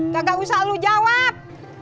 gak usah lu jawab